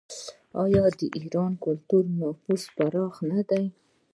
آیا د ایران کلتوري نفوذ پراخ نه دی؟